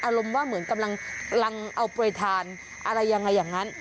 อารมณ์ว่าเหมือนกำลังเอาโปรยทานอะไรยังไงอย่างนั้น